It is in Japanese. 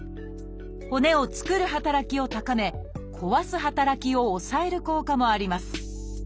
骨を作る働きを高め壊す働きを抑える効果もあります。